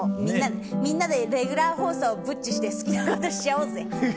みんなでレギュラー放送をぶっちして好きなことしちゃおうぜ。